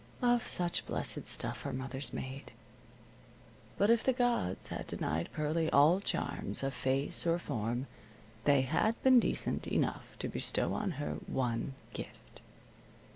Of such blessed stuff are mothers made. But if the gods had denied Pearlie all charms of face or form, they had been decent enough to bestow on her one gift.